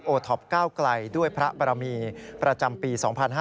โอท็อป๙ไกลด้วยพระประมีประจำปี๒๕๖๑